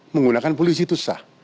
menggunakan polisi itu sah